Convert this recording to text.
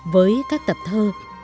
với các tập thơ